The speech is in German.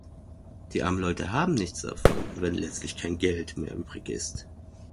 Die armen Leute haben nichts davon, wenn letztlich kein Geld mehr übrig ist!